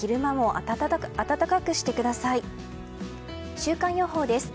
週間予報です。